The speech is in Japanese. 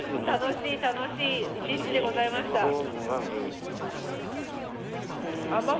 楽しい楽しい一日でございました。